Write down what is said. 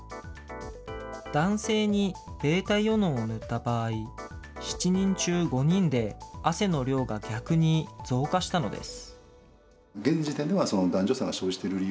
男性にβイオノンを塗った場合、７人中５人で汗の量が逆に増加したのです。